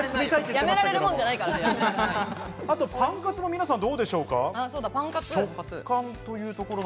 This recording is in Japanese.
パンカツも皆さん、どうでしょうか？